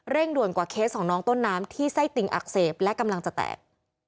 ด่วนกว่าเคสของน้องต้นน้ำที่ไส้ติ่งอักเสบและกำลังจะแตก